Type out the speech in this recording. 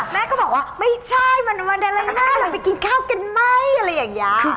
แม่ก็บอกว่าไม่ใช่วันอะไรแม่เราไปกินข้าวกันไหมอะไรอย่างนี้